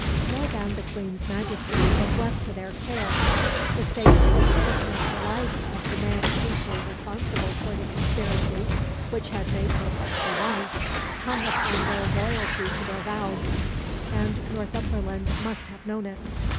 More than the Queen's Majesty was left to their care. The safety, if not the life, of the man chiefly responsible for the conspiracy which had made her what she was, hung upon their loyalty to their vows, and Northumberland must have known it.